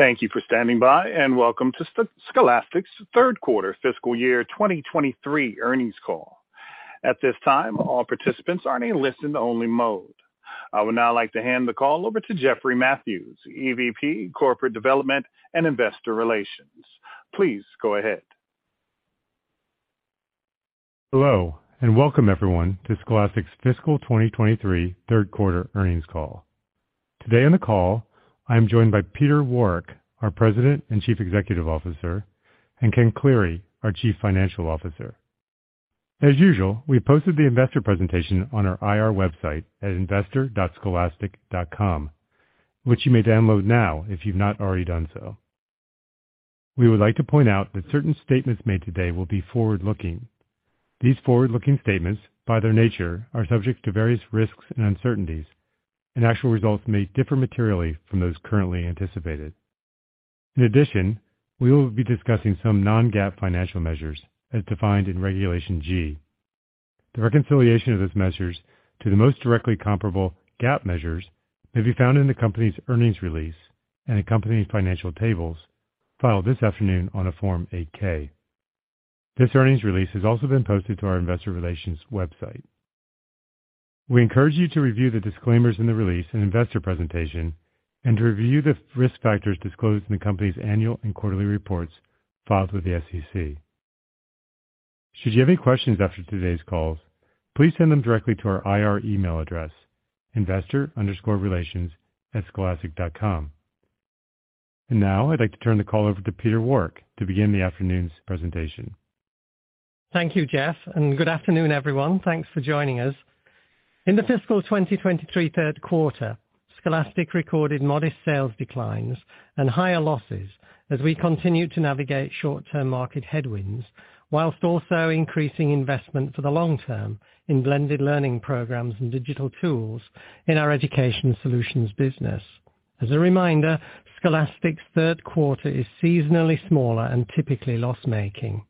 Thank you for standing by. Welcome to Scholastic's third quarter fiscal year 2023 earnings call. At this time, all participants are in a listen only mode. I would now like to hand the call over to Jeffrey Mathews, EVP Corporate Development and Investor Relations. Please go ahead. Hello and welcome everyone to Scholastic's fiscal 2023 third quarter earnings call. Today on the call I am joined by Peter Warwick, our President and Chief Executive Officer, and Ken Cleary, our Chief Financial Officer. As usual, we posted the investor presentation on our IR website at investor.scholastic.com, which you may download now if you've not already done so. We would like to point out that certain statements made today will be forward-looking. These forward-looking statements, by their nature, are subject to various risks and uncertainties, and actual results may differ materially from those currently anticipated. In addition, we will be discussing some non-GAAP financial measures as defined in Regulation G. The reconciliation of those measures to the most directly comparable GAAP measures may be found in the company's earnings release and accompanying financial tables filed this afternoon on a Form 8-K. This earnings release has also been posted to our investor relations website. We encourage you to review the disclaimers in the release and investor presentation and review the risk factors disclosed in the company's annual and quarterly reports filed with the SEC. Should you have any questions after today's calls, please send them directly to our IR email address, investor_relations@scholastic.com. Now I'd like to turn the call over to Peter Warwick to begin the afternoon's presentation. Thank you, Jeff. Good afternoon, everyone. Thanks for joining us. In the fiscal 2023 third quarter, Scholastic recorded modest sales declines and higher losses as we continue to navigate short term market headwinds, whilst also increasing investment for the long term in blended learning programs and digital tools in our education solutions business. As a reminder, Scholastic's third quarter is seasonally smaller and typically loss-making.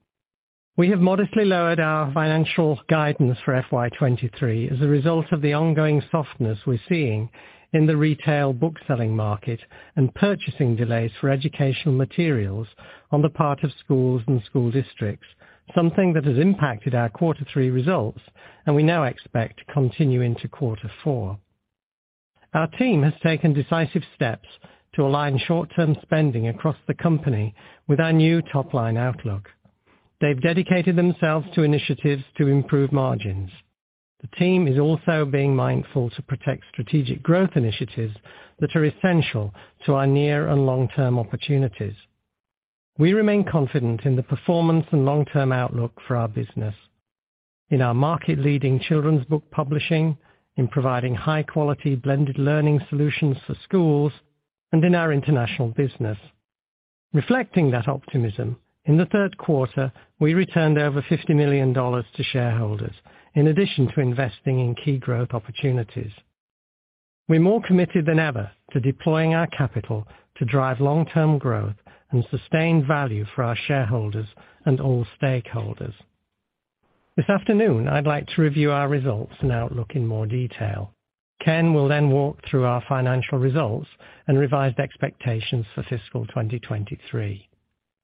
We have modestly lowered our financial guidance for FY 2023 as a result of the ongoing softness we're seeing in the retail book selling market and purchasing delays for educational materials on the part of schools and school districts, something that has impacted our quarter three results and we now expect to continue into quarter four. Our team has taken decisive steps to align short term spending across the company with our new top line outlook. They've dedicated themselves to initiatives to improve margins. The team is also being mindful to protect strategic growth initiatives that are essential to our near and long term opportunities. We remain confident in the performance and long term outlook for our business. In our market leading children's book publishing, in providing high quality blended learning solutions for schools and in our international business. Reflecting that optimism, in the third quarter, we returned over $50 million to shareholders. In addition to investing in key growth opportunities. We're more committed than ever to deploying our capital to drive long term growth and sustain value for our shareholders and all stakeholders. This afternoon, I'd like to review our results and outlook in more detail. Ken will then walk through our financial results and revised expectations for fiscal 2023.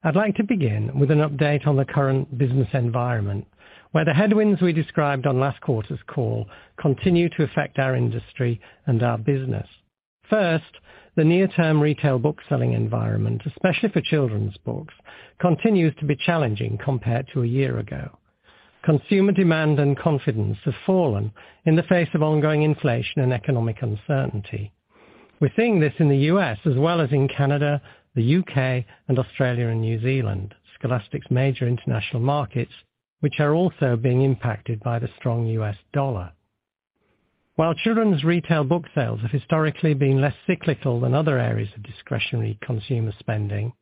I'd like to begin with an update on the current business environment, where the headwinds we described on last quarter's call continue to affect our industry and our business. First, the near term retail bookselling environment, especially for children's books, continues to be challenging compared to a year ago. Consumer demand and confidence have fallen in the face of ongoing inflation and economic uncertainty. We're seeing this in the U.S. as well as in Canada, the U.K., and Australia and New Zealand, Scholastic's major international markets, which are also being impacted by the strong U.S. dollar. While children's retail book sales have historically been less cyclical than other areas of discretionary consumer spending,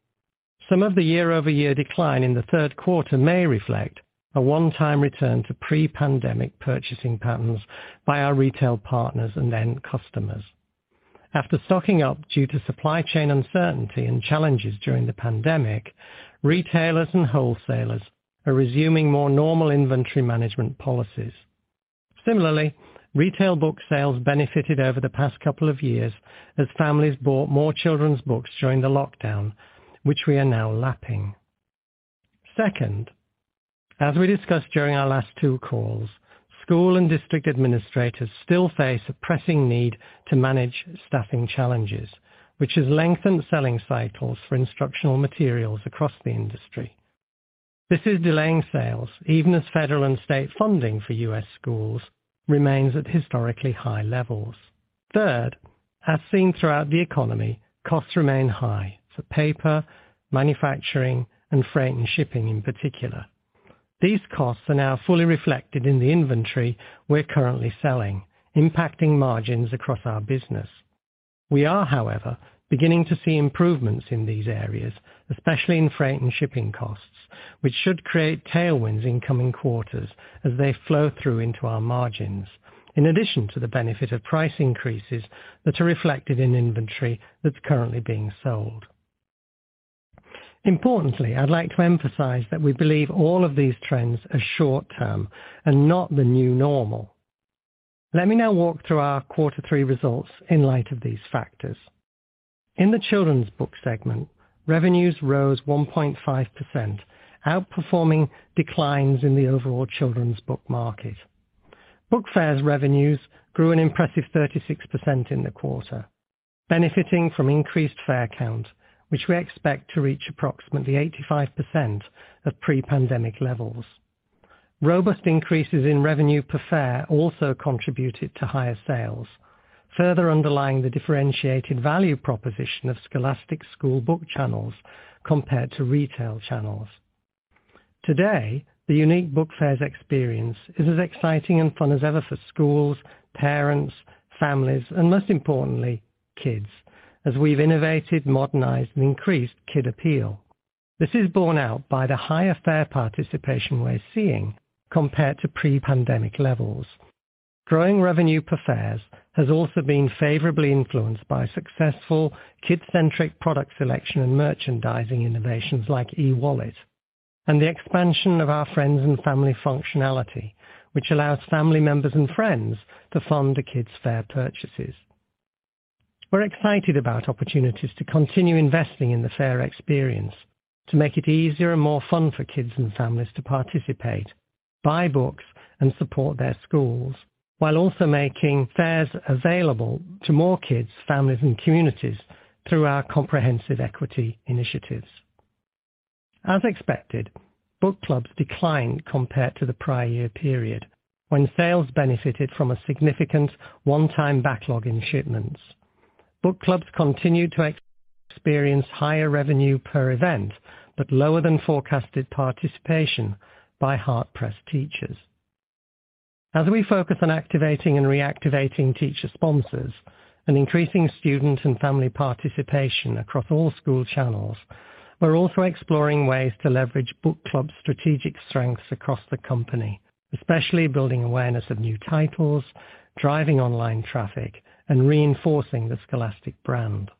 some of the year-over-year decline in the third quarter may reflect a one time return to pre-pandemic purchasing patterns by our retail partners and end customers. After stocking up due to supply chain uncertainty and challenges during the pandemic, retailers and wholesalers are resuming more normal inventory management policies. Similarly, retail book sales benefited over the past couple of years as families bought more children's books during the lockdown, which we are now lapping. Second, as we discussed during our last two calls, school and district administrators still face a pressing need to manage staffing challenges, which has lengthened selling cycles for instructional materials across the industry. This is delaying sales even as federal and state funding for U.S. schools remains at historically high levels. Third, as seen throughout the economy, costs remain high for paper, manufacturing and freight and shipping in particular. These costs are now fully reflected in the inventory we're currently selling, impacting margins across our business. We are, however, beginning to see improvements in these areas, especially in freight and shipping costs, which should create tailwinds in coming quarters as they flow through into our margins. In addition to the benefit of price increases that are reflected in inventory that's currently being sold. Importantly, I'd like to emphasize that we believe all of these trends are short-term and not the new normal. Let me now walk through our quarter three results in light of these factors. In the children's book segment, revenues rose 1.5%, outperforming declines in the overall children's book market. Book Fairs' revenues grew an impressive 36% in the quarter, benefiting from increased fair count, which we expect to reach approximately 85% of pre-pandemic levels. Robust increases in revenue per fair also contributed to higher sales, further underlying the differentiated value proposition of Scholastic school book channels compared to retail channels. Today, the unique Book Fairs experience is as exciting and fun as ever for schools, parents, families, and most importantly, kids, as we've innovated, modernized, and increased kid appeal. This is borne out by the higher fair participation we're seeing compared to pre-pandemic levels. Growing revenue per fairs has also been favorably influenced by successful kid-centric product selection and merchandising innovations like eWallet and the expansion of our friends and family functionality, which allows family members and friends to fund the kids fair purchases. We're excited about opportunities to continue investing in the fair experience to make it easier and more fun for kids and families to participate, buy books, and support their schools, while also making Fairs available to more kids, families, and communities through our comprehensive equity initiatives. As expected, Book Clubs declined compared to the prior year period when sales benefited from a significant one-time backlog in shipments. Book Clubs continued to experience higher revenue per event, but lower than forecasted participation by hard-pressed teachers. As we focus on activating and reactivating teacher sponsors and increasing student and family participation across all school channels, we're also exploring ways to leverage Book Club strategic strengths across the company, especially building awareness of new titles, driving online traffic, and reinforcing the Scholastic brand.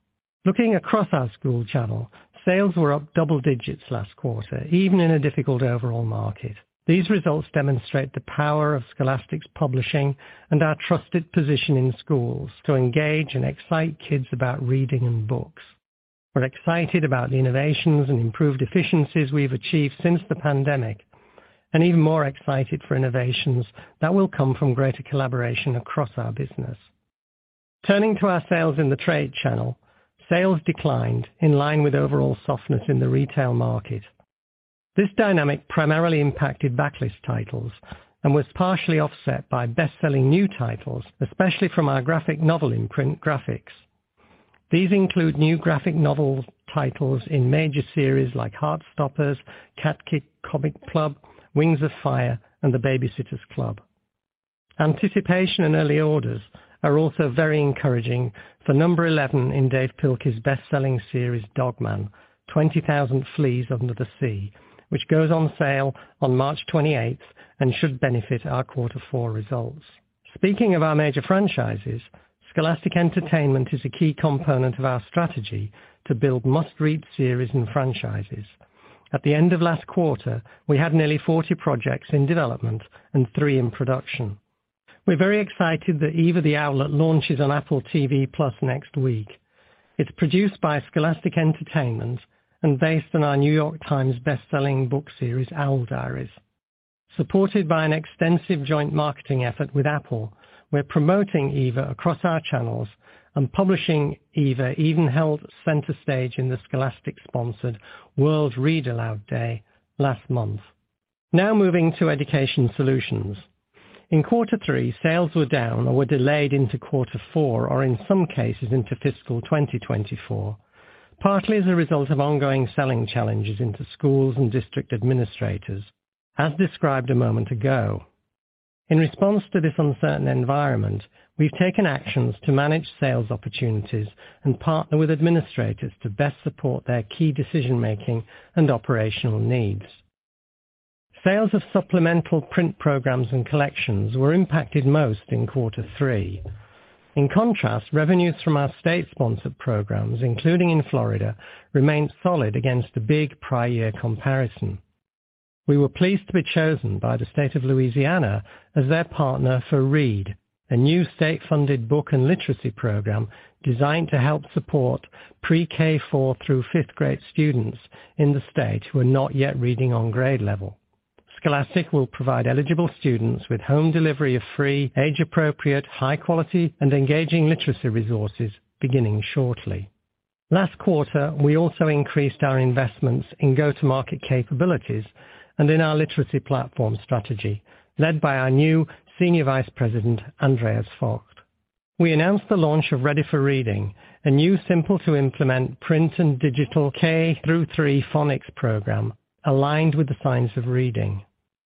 Looking across our school channel, sales were up double digits last quarter, even in a difficult overall market. These results demonstrate the power of Scholastic's publishing and our trusted position in schools to engage and excite kids about reading and books. We're excited about the innovations and improved efficiencies we've achieved since the pandemic, and even more excited for innovations that will come from greater collaboration across our business. Turning to our sales in the trade channel, sales declined in line with overall softness in the retail market. This dynamic primarily impacted backlist titles and was partially offset by best-selling new titles, especially from our graphic novel imprint, Graphix. These include new graphic novel titles in major series like Heartstopper, Cat Kid Comic Club, Wings of Fire, and The Baby-sitters Club. Anticipation and early orders are also very encouraging for number 11 in Dav Pilkey's best-selling series, Dog Man: Twenty Thousand Fleas Under the Sea, which goes on sale on March 28th and should benefit our quarter four results. Speaking of our major franchises, Scholastic Entertainment is a key component of our strategy to build must-read series and franchises. At the end of last quarter, we had nearly 40 projects in development and three in production. We're very excited that Eva the Owlet launches on Apple TV+ next week. It's produced by Scholastic Entertainment and based on our New York Times best-selling book series, Owl Diaries. Supported by an extensive joint marketing effort with Apple, we're promoting Eva across our channels and publishing Eva even held center stage in the Scholastic sponsored World Read Aloud Day last month. Now moving to education solutions. In quarter three, sales were down or were delayed into quarter four or in some cases into fiscal 2024, partly as a result of ongoing selling challenges into schools and district administrators, as described a moment ago. In response to this uncertain environment, we've taken actions to manage sales opportunities and partner with administrators to best support their key decision-making and operational needs. Sales of supplemental print programs and collections were impacted most in quarter three. In contrast, revenues from our state-sponsored programs, including in Florida, remained solid against a big prior year comparison. We were pleased to be chosen by the state of Louisiana as their partner for READ, a new state-funded book and literacy program designed to help support pre-K 4 through fifth-grade students in the state who are not yet reading on grade level. Scholastic will provide eligible students with home delivery of free, age-appropriate, high quality, and engaging literacy resources beginning shortly. Last quarter, we also increased our investments in go-to-market capabilities and in our literacy platform strategy, led by our new Senior Vice President, Andreas Vogt. We announced the launch of Ready for Reading, a new simple to implement print and digital K–3 phonics program aligned with the science of reading.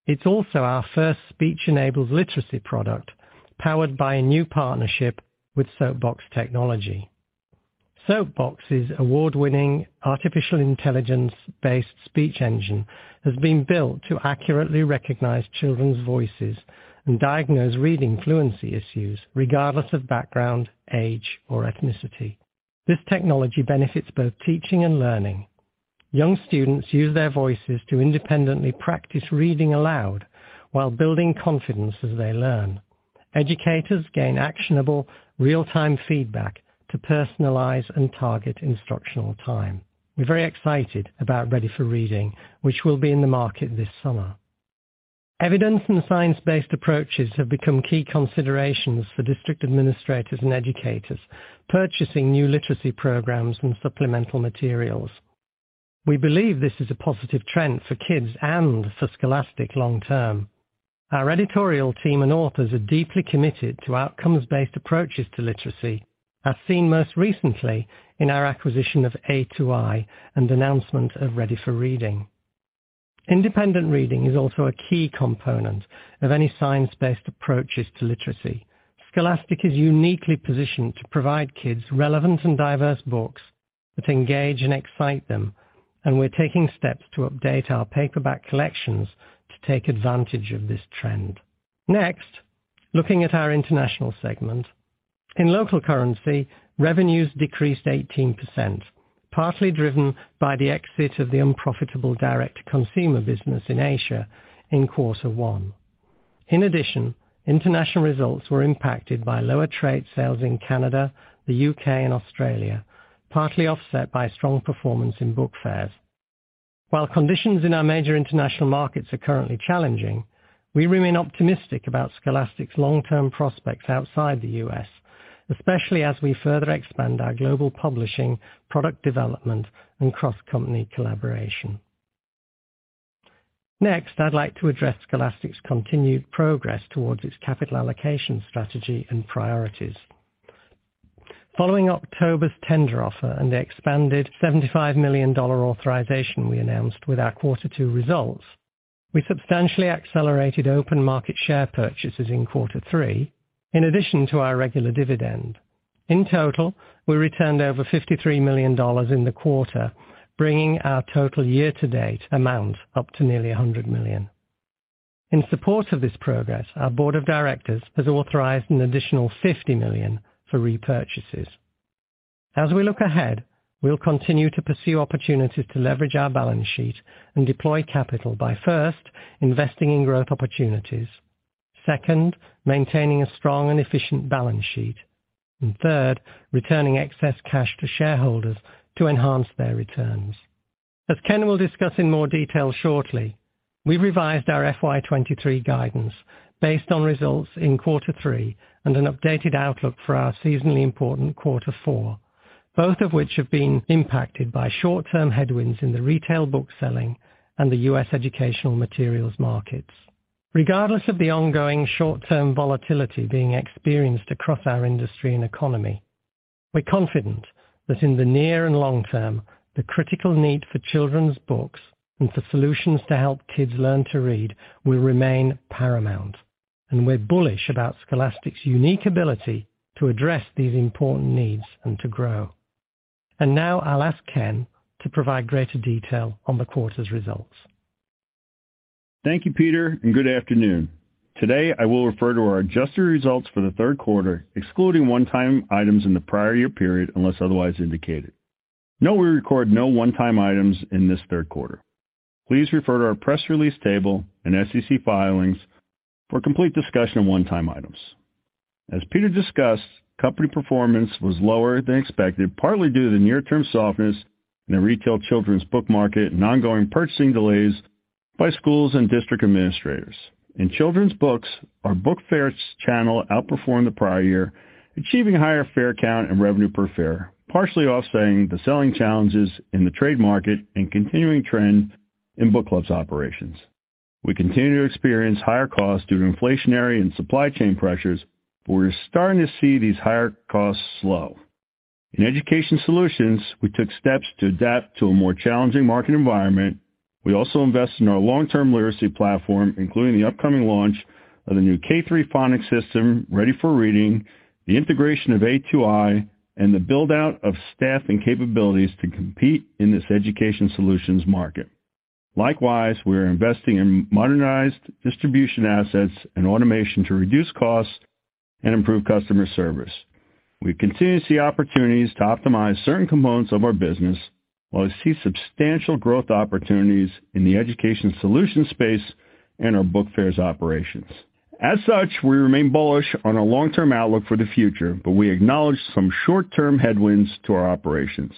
It's also our first speech-enabled literacy product powered by a new partnership with SoapBox Technology. SoapBox's award-winning artificial intelligence-based speech engine has been built to accurately recognize children's voices and diagnose reading fluency issues regardless of background, age, or ethnicity. This technology benefits both teaching and learning. Young students use their voices to independently practice reading aloud while building confidence as they learn. Educators gain actionable real-time feedback to personalize and target instructional time. We're very excited about Ready for Reading, which will be in the market this summer. Evidence and science-based approaches have become key considerations for district administrators and educators purchasing new literacy programs and supplemental materials. We believe this is a positive trend for kids and for Scholastic long term. Our editorial team and authors are deeply committed to outcomes-based approaches to literacy, as seen most recently in our acquisition of A2i and announcement of Ready4Reading. Independent reading is also a key component of any science-based approaches to literacy. Scholastic is uniquely positioned to provide kids relevant and diverse books that engage and excite them, and we're taking steps to update our paperback collections to take advantage of this trend. Next, looking at our International segment. In local currency, revenues decreased 18%, partly driven by the exit of the unprofitable direct-to-consumer business in Asia in quarter one. In addition, international results were impacted by lower trade sales in Canada, the U.K., and Australia, partly offset by strong performance in Book Fairs. While conditions in our major international markets are currently challenging, we remain optimistic about Scholastic's long-term prospects outside the US, especially as we further expand our global publishing, product development, and cross-company collaboration. Next, I'd like to address Scholastic's continued progress towards its capital allocation strategy and priorities. Following October's tender offer and the expanded $75 million authorization we announced with our quarter two results, we substantially accelerated open market share purchases in quarter three, in addition to our regular dividend. In total, we returned over $53 million in the quarter, bringing our total year-to-date amount up to nearly $100 million. In support of this progress, our board of directors has authorized an additional $50 million for repurchases. As we look ahead, we'll continue to pursue opportunities to leverage our balance sheet and deploy capital by, first, investing in growth opportunities. Second, maintaining a strong and efficient balance sheet. Third, returning excess cash to shareholders to enhance their returns. As Ken will discuss in more detail shortly, we revised our FY 2023 guidance based on results in quarter three and an updated outlook for our seasonally important quarter four, both of which have been impacted by short-term headwinds in the retail book selling and the U.S. educational materials markets. Regardless of the ongoing short-term volatility being experienced across our industry and economy, we're confident that in the near and long term, the critical need for children's books and for solutions to help kids learn to read will remain paramount. We're bullish about Scholastic's unique ability to address these important needs and to grow. Now I'll ask Ken to provide greater detail on the quarter's results. Thank you, Peter. Good afternoon. Today, I will refer to our adjusted results for the third quarter, excluding one-time items in the prior year period, unless otherwise indicated. Note we record no one-time items in this third quarter. Please refer to our press release table and SEC filings for a complete discussion of one-time items. As Peter discussed, company performance was lower than expected, partly due to the near-term softness in the retail children's book market and ongoing purchasing delays by schools and district administrators. In children's books, our Book Fairs channel outperformed the prior year, achieving higher fair count and revenue per fair, partially offsetting the selling challenges in the trade market and continuing trend in book clubs operations. We continue to experience higher costs due to inflationary and supply chain pressures. We're starting to see these higher costs slow. In education solutions, we took steps to adapt to a more challenging market environment. We also invest in our long-term literacy platform, including the upcoming launch of the new K–3 phonics system, Ready4Reading, the integration of A2i, and the build-out of staff and capabilities to compete in this education solutions market. Likewise, we are investing in modernized distribution assets and automation to reduce costs and improve customer service. We continue to see opportunities to optimize certain components of our business, while we see substantial growth opportunities in the education solution space and our Book Fairs operations. As such, we remain bullish on our long-term outlook for the future, but we acknowledge some short-term headwinds to our operations.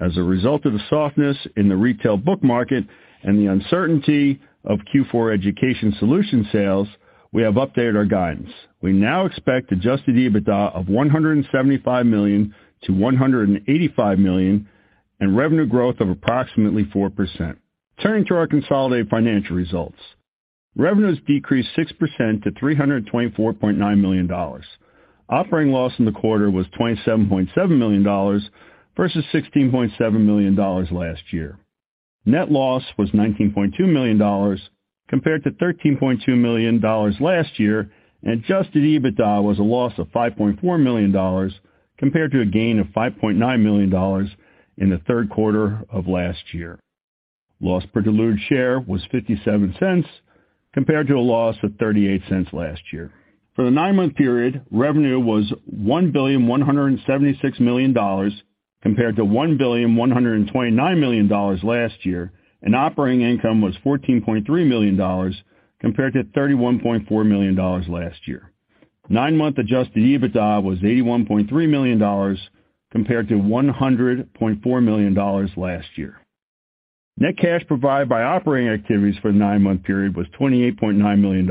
As a result of the softness in the retail book market and the uncertainty of Q4 education solution sales, we have updated our guidance. We now expect adjusted EBITDA of $175 million-$185 million and revenue growth of approximately 4%. Turning to our consolidated financial results. Revenues decreased 6% to $324.9 million. Operating loss in the quarter was $27.7 million versus $16.7 million last year. Net loss was $19.2 million compared to $13.2 million last year. Adjusted EBITDA was a loss of $5.4 million compared to a gain of $5.9 million in the third quarter of last year. Loss per diluted share was $0.57 compared to a loss of $0.38 last year. For the nine-month period, revenue was $1,176 million compared to $1,129 million last year, and operating income was $14.3 million compared to $31.4 million last year. Nine-month adjusted EBITDA was $81.3 million compared to $100.4 million last year. Net cash provided by operating activities for the nine-month period was $28.9 million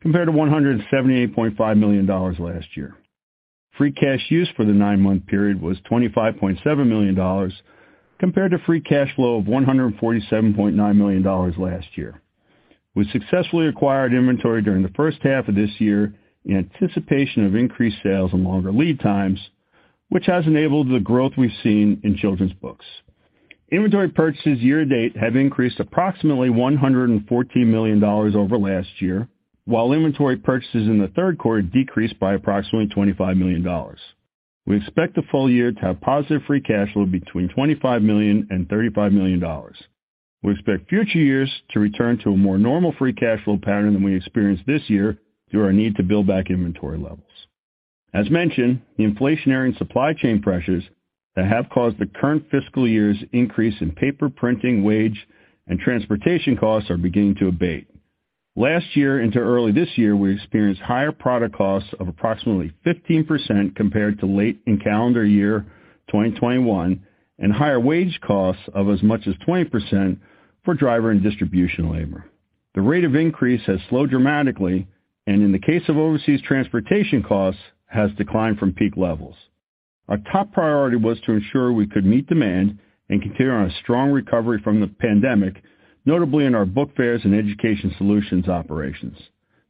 compared to $178.5 million last year. Free cash use for the nine-month period was $25.7 million compared to free cash flow of $147.9 million last year. We successfully acquired inventory during the first half of this year in anticipation of increased sales and longer lead times, which has enabled the growth we've seen in children's books. Inventory purchases year to date have increased approximately $114 million over last year, while inventory purchases in the third quarter decreased by approximately $25 million. We expect the full year to have positive free cash flow between $25 million and $35 million. We expect future years to return to a more normal free cash flow pattern than we experienced this year through our need to build back inventory levels. As mentioned, the inflationary and supply chain pressures that have caused the current fiscal year's increase in paper printing, wage, and transportation costs are beginning to abate. Last year into early this year, we experienced higher product costs of approximately 15% compared to late in calendar year 2021 and higher wage costs of as much as 20% for driver and distribution labor. The rate of increase has slowed dramatically, and in the case of overseas transportation costs, has declined from peak levels. Our top priority was to ensure we could meet demand and continue on a strong recovery from the pandemic, notably in our Book Fairs and education solutions operations.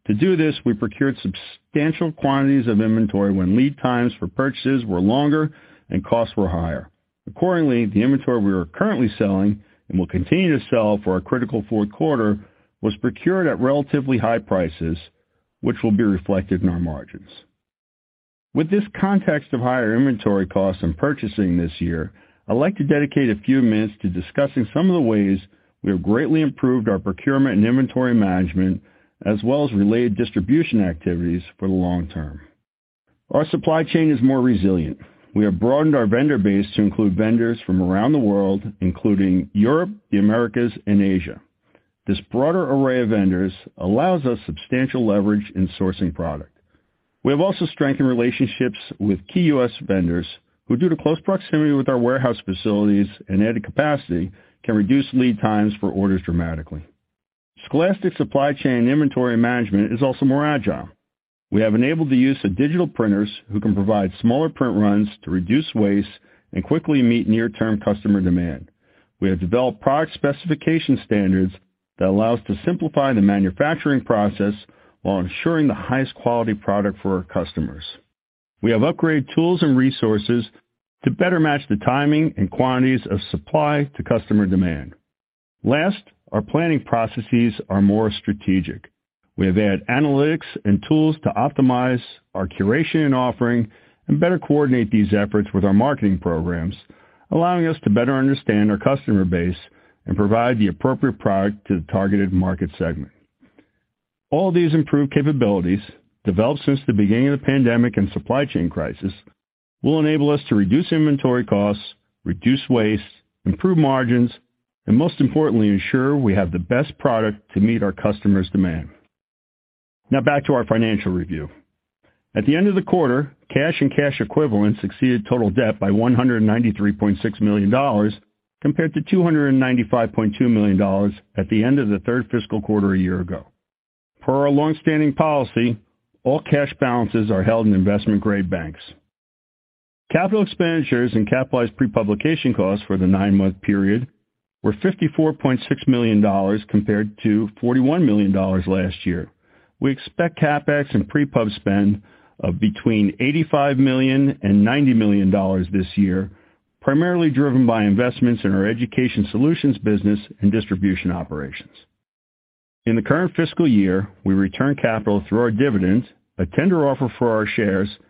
To do this, we procured substantial quantities of inventory when lead times for purchases were longer and costs were higher. Accordingly, the inventory we are currently selling and will continue to sell for our critical fourth quarter was procured at relatively high prices, which will be reflected in our margins. With this context of higher inventory costs and purchasing this year, I'd like to dedicate a few minutes to discussing some of the ways we have greatly improved our procurement and inventory management, as well as related distribution activities for the long term. Our supply chain is more resilient. We have broadened our vendor base to include vendors from around the world, including Europe, the Americas, and Asia. This broader array of vendors allows us substantial leverage in sourcing product. We have also strengthened relationships with key US vendors who, due to close proximity with our warehouse facilities and added capacity, can reduce lead times for orders dramatically. Scholastic supply chain inventory management is also more agile. We have enabled the use of digital printers who can provide smaller print runs to reduce waste and quickly meet near-term customer demand. We have developed product specification standards that allow us to simplify the manufacturing process while ensuring the highest quality product for our customers. We have upgraded tools and resources to better match the timing and quantities of supply to customer demand. Last, our planning processes are more strategic. We have added analytics and tools to optimize our curation and offering and better coordinate these efforts with our marketing programs, allowing us to better understand our customer base and provide the appropriate product to the targeted market segment. All these improved capabilities, developed since the beginning of the pandemic and supply chain crisis, will enable us to reduce inventory costs, reduce waste, improve margins, and most importantly, ensure we have the best product to meet our customers' demand. Now back to our financial review. At the end of the quarter, cash and cash equivalents exceeded total debt by $193.6 million compared to $295.2 million at the end of the third fiscal quarter a year ago. Per our long-standing policy, all cash balances are held in investment-grade banks. Capital expenditures and capitalized pre-publication costs for the nine-month period were $54.6 million compared to $41 million last year. We expect CapEx and pre-pub spend of between $85 million and $90 million this year, primarily driven by investments in our education solutions business and distribution operations. In the current fiscal year, we returned capital through our dividends, a tender offer for our shares, and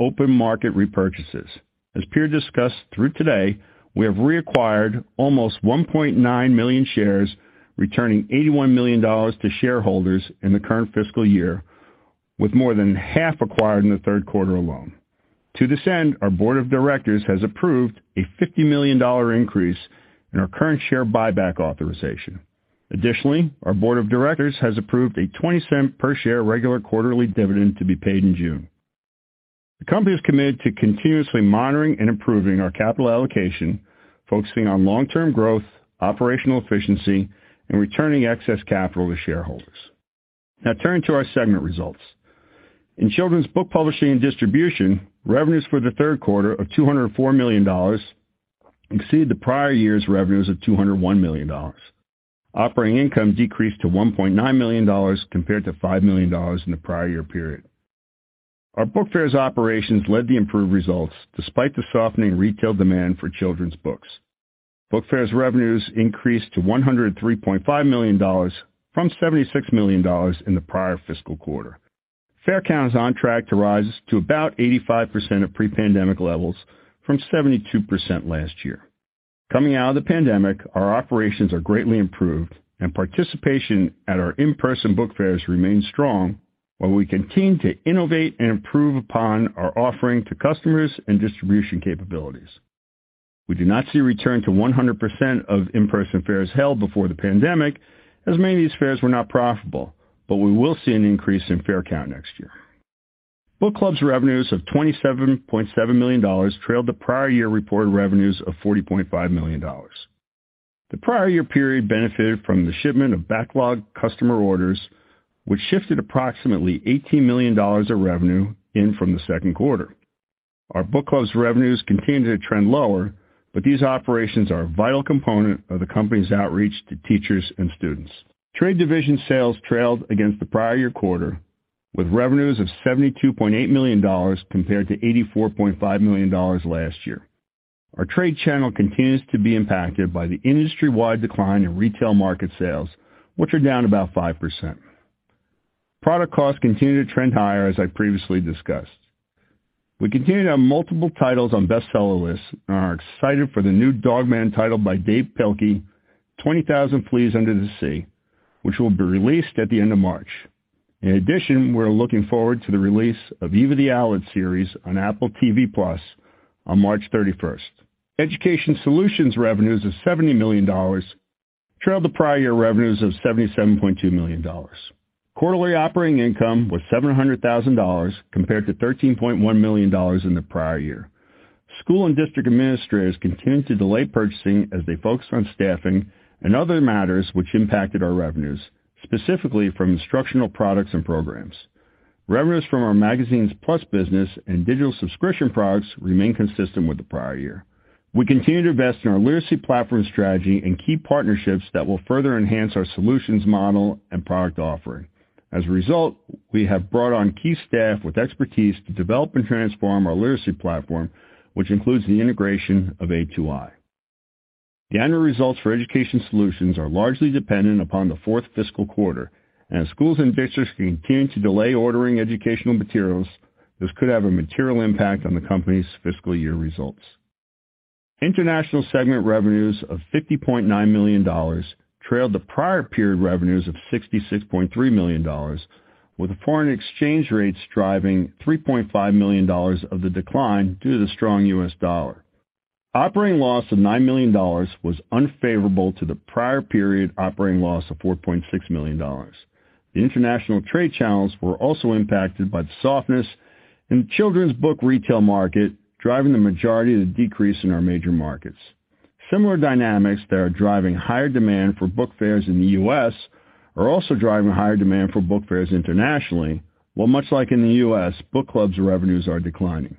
open market repurchases. As Peter discussed, through today, we have reacquired almost 1.9 million shares, returning $81 million to shareholders in the current fiscal year, with more than half acquired in the third quarter alone. To this end, our board of directors has approved a $50 million increase in our current share buyback authorization. Additionally, our board of directors has approved a $0.20 per share regular quarterly dividend to be paid in June. The company is committed to continuously monitoring and improving our capital allocation, focusing on long-term growth, operational efficiency, and returning excess capital to shareholders. Now turning to our segment results. In children's book publishing and distribution, revenues for the third quarter of $204 million exceed the prior year's revenues of $201 million. Operating income decreased to $1.9 million compared to $5 million in the prior year period. Our Book Fairs operations led the improved results despite the softening retail demand for children's books. Book Fairs revenues increased to $103.5 million from $76 million in the prior fiscal quarter. Fair count is on track to rise to about 85% of pre-pandemic levels from 72% last year. Coming out of the pandemic, our operations are greatly improved and participation at our in-person Book Fairs remains strong, while we continue to innovate and improve upon our offering to customers and distribution capabilities. We do not see a return to 100% of in-person fairs held before the pandemic, as many of these fairs were not profitable, but we will see an increase in fair count next year. Book clubs revenues of $27.7 million trailed the prior year reported revenues of $40.5 million. The prior year period benefited from the shipment of backlog customer orders, which shifted approximately $18 million of revenue in from the second quarter. Our book clubs revenues continue to trend lower, but these operations are a vital component of the company's outreach to teachers and students. Trade division sales trailed against the prior year quarter, with revenues of $72.8 million compared to $84.5 million last year. Our trade channel continues to be impacted by the industry-wide decline in retail market sales, which are down about 5%. Product costs continue to trend higher, as I previously discussed. We continue to have multiple titles on bestseller lists and are excited for the new Dog Man title by Dav Pilkey, Twenty Thousand Fleas Under the Sea, which will be released at the end of March. In addition, we're looking forward to the release of Eva the Owlet series on Apple TV+ on March 31st. Education Solutions revenues of $70 million trailed the prior year revenues of $77.2 million. Quarterly operating income was $700,000 compared to $13.1 million in the prior year. School and district administrators continued to delay purchasing as they focused on staffing and other matters which impacted our revenues, specifically from instructional products and programs. Revenues from our Magazines+ business and digital subscription products remain consistent with the prior year. We continue to invest in our literacy platform strategy and key partnerships that will further enhance our solutions model and product offering. As a result, we have brought on key staff with expertise to develop and transform our literacy platform, which includes the integration of A2i. The annual results for Education Solutions are largely dependent upon the fourth fiscal quarter. As schools and districts continue to delay ordering educational materials, this could have a material impact on the company's fiscal year results. International segment revenues of $50.9 million trailed the prior period revenues of $66.3 million, with foreign exchange rates driving $3.5 million of the decline due to the strong U.S. dollar. Operating loss of $9 million was unfavorable to the prior period operating loss of $4.6 million. The international trade channels were also impacted by the softness in the children's book retail market, driving the majority of the decrease in our major markets. Similar dynamics that are driving higher demand for Book Fairs in the U.S. are also driving higher demand for Book Fairs internationally, while much like in the U.S., book clubs revenues are declining.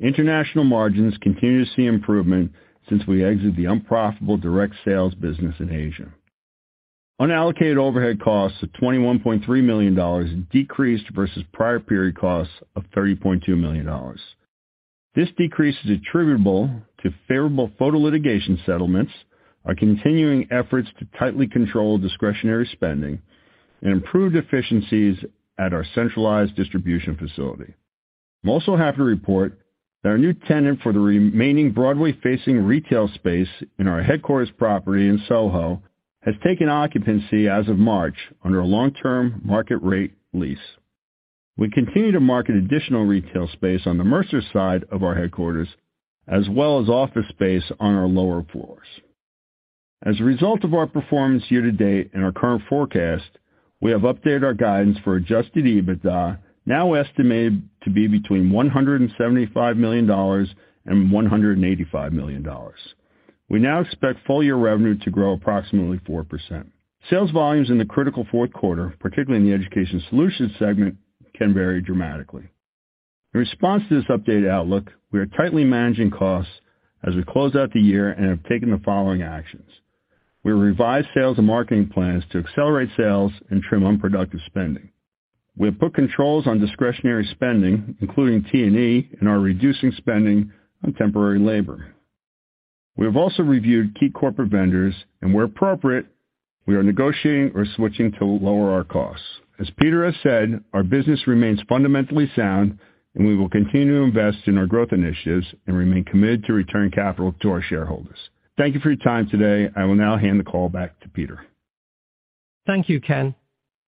International margins continue to see improvement since we exit the unprofitable direct sales business in Asia. Unallocated overhead costs of $21.3 million decreased versus prior period costs of $30.2 million. This decrease is attributable to favorable photo litigation settlements, our continuing efforts to tightly control discretionary spending and improved efficiencies at our centralized distribution facility. I'm also happy to report that our new tenant for the remaining Broadway-facing retail space in our headquarters property in Soho has taken occupancy as of March under a long-term market rate lease. We continue to market additional retail space on the Mercer side of our headquarters, as well as office space on our lower floors. As a result of our performance year to date and our current forecast, we have updated our guidance for adjusted EBITDA, now estimated to be between $175 million and $185 million. We now expect full year revenue to grow approximately 4%. Sales volumes in the critical fourth quarter, particularly in the education solutions segment, can vary dramatically. In response to this updated outlook, we are tightly managing costs as we close out the year and have taken the following actions. We revised sales and marketing plans to accelerate sales and trim unproductive spending. We have put controls on discretionary spending, including T&E, and are reducing spending on temporary labor. We have also reviewed key corporate vendors and where appropriate, we are negotiating or switching to lower our costs. As Peter has said, our business remains fundamentally sound and we will continue to invest in our growth initiatives and remain committed to return capital to our shareholders. Thank you for your time today. I will now hand the call back to Peter. Thank you, Ken.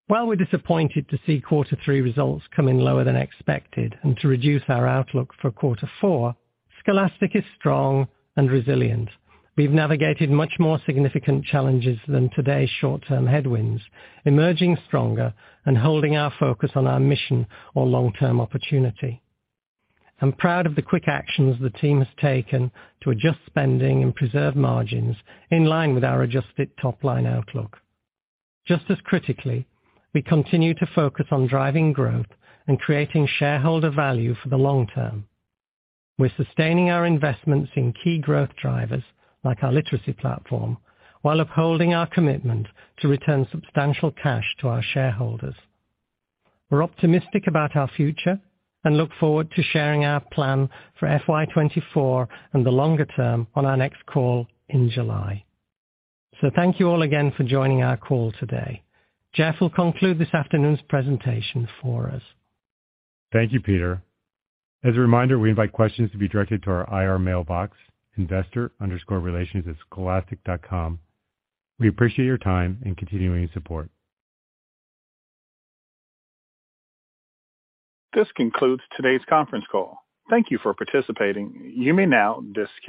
While we're disappointed to see quarter three results come in lower than expected and to reduce our outlook for quarter four, Scholastic is strong and resilient. We've navigated much more significant challenges than today's short-term headwinds, emerging stronger and holding our focus on our mission or long-term opportunity. I'm proud of the quick actions the team has taken to adjust spending and preserve margins in line with our adjusted top-line outlook. Just as critically, we continue to focus on driving growth and creating shareholder value for the long term. We're sustaining our investments in key growth drivers like our literacy platform while upholding our commitment to return substantial cash to our shareholders. We're optimistic about our future and look forward to sharing our plan for FY 2024 and the longer term on our next call in July. Thank you all again for joining our call today. Jeff will conclude this afternoon's presentation for us. Thank you, Peter. As a reminder, we invite questions to be directed to our IR mailbox, investor_relations@scholastic.com. We appreciate your time and continuing support. This concludes today's conference call. Thank you for participating. You may now disconnect.